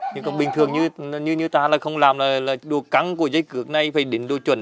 nhưng mà bình thường như ta là không làm là đồ căng của dây cực này phải đến đồ chuẩn